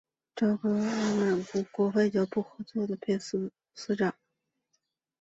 朝格特巴特尔曾任蒙古国外交部多边合作司副司长。